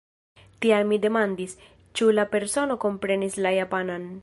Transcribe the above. Tial mi demandis, ĉu la persono komprenis la japanan.